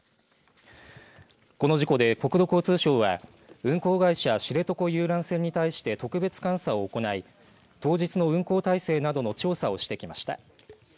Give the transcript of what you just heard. この事故で、国土交通省は運航会社知床遊覧船に対して特別監査を行い当日の運航体制などの調査をしてきました。